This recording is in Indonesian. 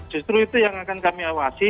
justru itu yang akan kami awasi